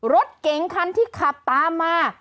รถเก๋งคันที่ขับตามมา